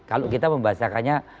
kalau kita membahasanya